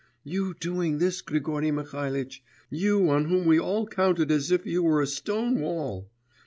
You doing this, Grigory Mihalitch, you on whom we all counted as if you were a stone wall!